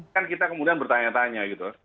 kan kita kemudian bertanya tanya gitu